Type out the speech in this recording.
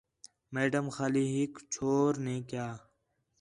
میڈم خالی ہِک چھور نَے کَیا